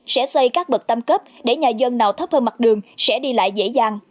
sẽ xây các bậc tam cấp để nhà dân nào thấp hơn mặt đường sẽ đi lại dễ dàng